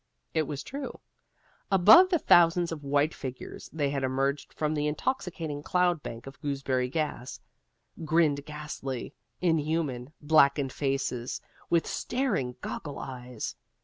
It was true. Above the thousands of white figures, as they emerged from the intoxicating cloud bank of gooseberry gas, grinned ghastly, inhuman, blackened faces, with staring goggle eyes.